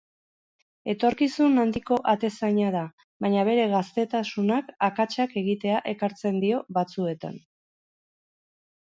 Etorkizun handiko atezaina da, baina bere gaztetasunak akatsak egitea ekartzen dio batzuetan.